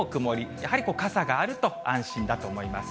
やはり傘があると安心だと思います。